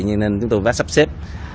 nên chúng tôi đã sắp xếp